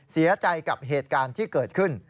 เสียใจกับเหตุการณ์ที่เกิดขึ้น